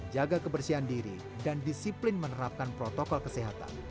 jaga kebersihan diri dan disiplin menerapkan protokol kesehatan